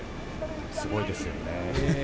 すごいですよね。